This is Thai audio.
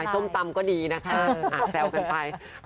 ต้มตำก็ดีนะค่ะ